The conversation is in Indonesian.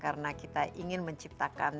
karena kita ingin menciptakan